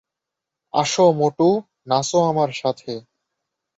আসো মোটু, নাচো আমার সাথে।